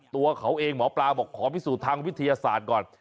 ตัวเขาเองหมอปลาบอกขอพิสูจน์ทางวิทยาศาสตร์ก่อน